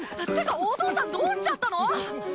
ってかお父さんどうしちゃったの！？